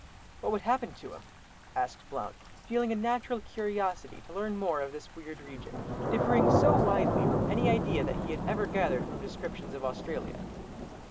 "What would happen to him?" asked Blount, feeling a natural curiosity to learn more of this weird region, differing so widely from any idea that he had ever gathered from descriptions of Australia.